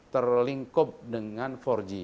terlingkup dengan empat g